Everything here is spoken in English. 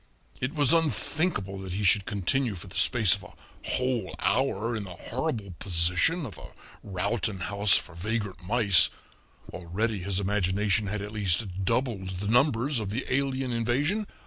It was unthinkable that he should continue for the space of a whole hour in the horrible position of a Rowton House for vagrant mice already his imagination had at least doubled the numbers of the alien invasion.